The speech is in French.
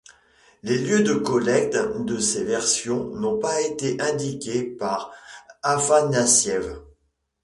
Les lieux de collecte de ces versions n'ont pas été indiquées par Afanassiev.